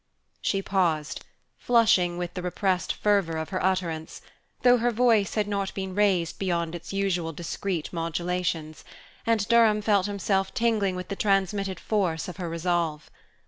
She paused, flushing with the repressed fervour of her utterance, though her voice had not been raised beyond its usual discreet modulations; and Durham felt himself tingling with the transmitted force of her resolve.